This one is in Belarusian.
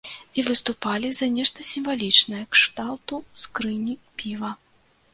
І выступалі за нешта сімвалічнае кшталту скрыні піва.